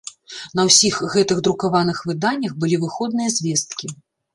На ўсіх гэтых друкаваных выданнях былі выходныя звесткі.